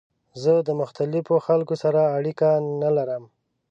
زه د مختلفو خلکو سره اړیکه نه لرم.